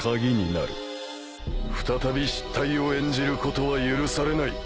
再び失態を演じることは許されない。